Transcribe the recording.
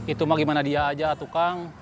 itu bagaimana dia aja tukang